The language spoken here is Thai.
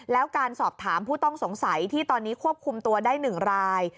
แล้วการสอบถามผู้ต้องสงสัยที่ตอนนี้ควบคุมตัวได้๑ราย